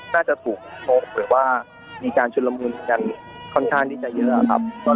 น่าจะตลกโน้นกว่ายังมีการชุนละมุนที่จะเยอะอันต่อเรน